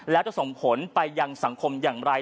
แล้วจะส่งผลไปยังสังคมอย่างไร